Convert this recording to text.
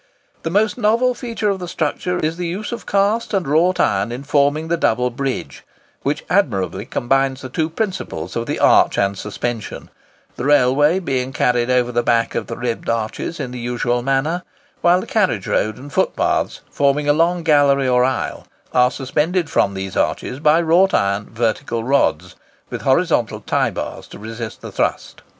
The most novel feature of the structure is the use of cast and wrought iron in forming the double bridge, which admirably combines the two principles of the arch and suspension; the railway being carried over the back of the ribbed arches in the usual manner, while the carriage road and footpaths, forming a long gallery or aisle, are suspended from these arches by wrought iron vertical rods, with horizontal tie bars to resist the thrust.